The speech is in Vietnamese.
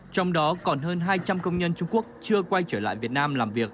trong đó còn hơn hai trăm linh công nhân trung quốc chưa quay trở lại việt nam làm việc